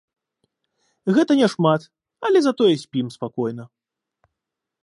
Гэта няшмат, але затое спім спакойна.